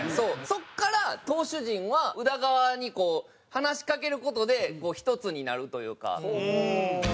そこから投手陣は宇田川に話しかける事で１つになるというか。